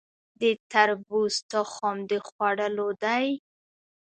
د تربوز تخم د خوړلو دی؟